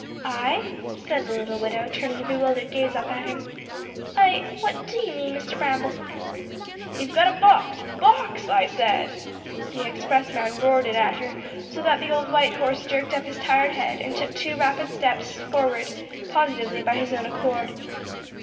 _" "I?" said the little widow, turning a bewildered gaze up at him. "I what do you mean, Mr. Bramble?" "You've got a box; box, I said." The expressman roared it at her so that the old white horse jerked up his tired head and took two rapid steps forward, positively by his own accord.